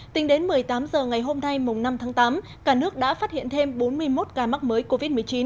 tính đến một mươi tám h ngày hôm nay mùng năm tháng tám cả nước đã phát hiện thêm bốn mươi một ca mắc mới covid một mươi chín